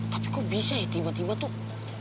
tapi kok bisa ya tiba tiba tuh